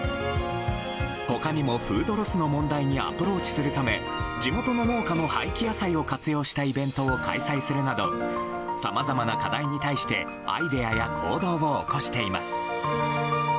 他にも、フードロスの問題にアプローチするため地元の農家の廃棄野菜を活用したイベントを開催するなどさまざまな課題に対してアイデアや行動を起こしています。